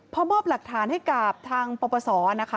พอมอบหลักฐานให้กับทางปปศนะคะ